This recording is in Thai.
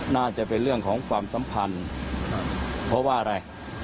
น่าจะเป็นเรื่องของความสัมพันธ์เพราะว่าอะไร